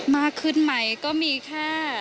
มากขึ้นไหมก็มีแค่